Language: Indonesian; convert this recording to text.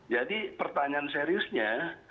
jadi pertanyaan seriusnya